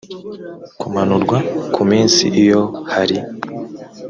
kumanurwa ku minsi iyo hari